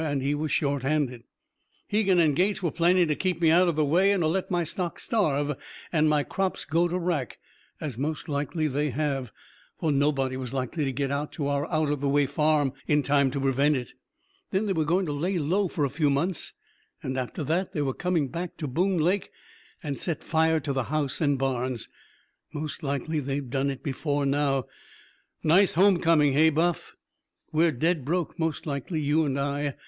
And he was short handed. "Hegan and Gates were planning to keep me out of the way and to let my stock starve and my crops go to wrack as most likely they have, for nobody was likely to get to our out of the way farm in time to prevent it. Then they were going to lay low for a few months, and after that they were coming back to Boone Lake and set fire to the house and barns. Most likely they've done it before now. Nice home coming, hey, Buff? We're dead broke, most likely, you and I.